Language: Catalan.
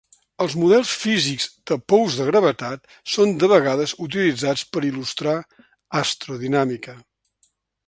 Els models físics de pous de gravetat són de vegades utilitzats per il·lustrar astrodinàmica.